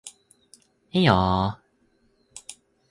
いいよー